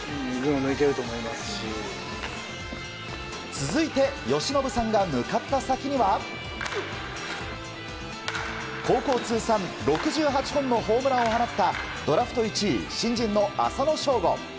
続いて由伸さんが向かった先には高校通算６８本のホームランを放ったドラフト１位、新人の浅野翔吾。